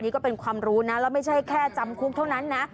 นี่ก็เป็นความรู้นะแล้วไม่ใช่แค่จำคุกเท่านั้นนะ